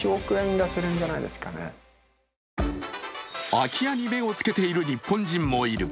空き家に目をつけている日本人もいる。